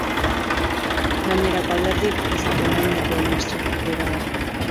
Gainerako alderdiek ez dute oraindik euren estrategia iragarri.